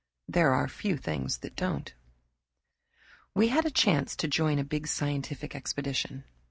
There are few things that don't. We three had a chance to join a big scientific expedition.